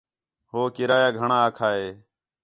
ہو کرایہ گھݨاں آکھا ہِے